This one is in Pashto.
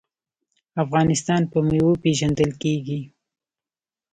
افغانستان په میوو پیژندل کیږي.